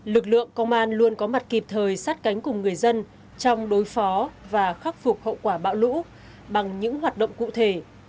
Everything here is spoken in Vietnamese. lực lượng công an luôn có mặt kịp thời sát cánh cùng người dân trong đối phó và khắc phục hậu quả bão lũ bằng những hoạt động cụ thể